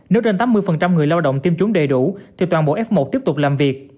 nếu trên tám mươi người lao động tiêm trúng đầy đủ thì toàn bộ f một tiếp tục làm việc